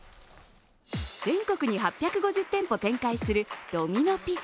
全国に８５０店舗展開するドミノ・ピザ。